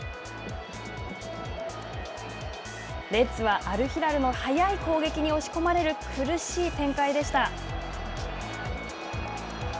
レッズは、アルヒラルの速い攻撃に押し込まれる苦しい展開でした。